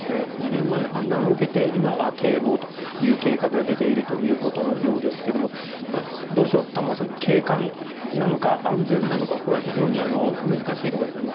２年前の氾濫を受けて今、堤防という計画が出ているということのようですがどうでしょう、玉川さん景観なのか安全なのかこれは非常に難しいところですね。